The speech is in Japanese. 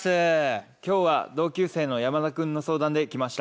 今日は同級生の山田君の相談で来ました。